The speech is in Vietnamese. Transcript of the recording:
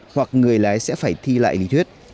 hoặc người lái sẽ phải thi lại lý thuyết